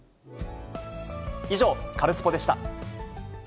以上、カルスポっ！でした。